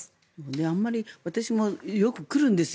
あんまり私も、よく来るんですよ。